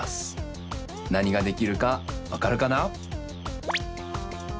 なにができるかわかるかな？